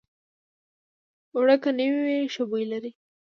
اوړه که نوي وي، ښه بوی لري